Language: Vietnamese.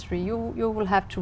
tự do rất tốt